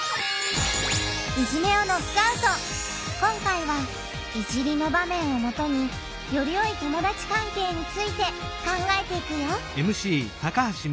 今回は「いじり」の場面をもとによりよい友だち関係について考えていくよ！